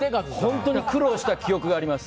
本当に苦労した記憶があります。